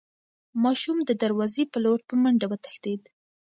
ماشوم د دروازې په لور په منډه وتښتېد.